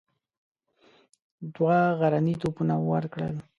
دوه غرني توپونه ورکړل.